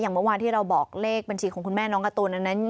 เมื่อวานที่เราบอกเลขบัญชีของคุณแม่น้องการ์ตูนนั้น